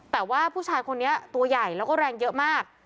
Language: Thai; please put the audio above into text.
แต่ว่าผู้ชายคนนี้ตัวใหญ่แล้วก็แรงเยอะมาก